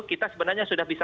kita sebenarnya sudah bisa